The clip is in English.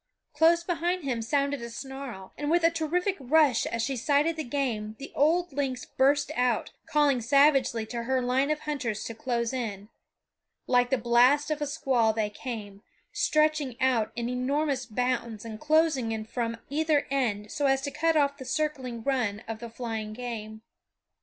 Close behind him sounded a snarl, and with a terrific rush as she sighted the game the old lynx burst out, calling savagely to her line of hunters to close in. Like the blast of a squall they came, stretching out in enormous bounds and closing in from either end so as to cut off the circling run of the flying game.